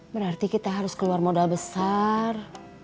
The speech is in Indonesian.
berarti kita harus keluar modal besar